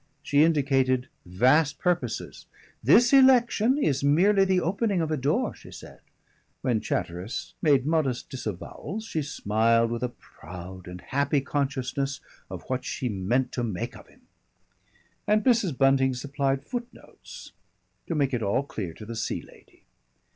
She indicated vast purposes. "This election is merely the opening of a door," she said. When Chatteris made modest disavowals she smiled with a proud and happy consciousness of what she meant to make of him. And Mrs. Bunting supplied footnotes to make it all clear to the Sea Lady.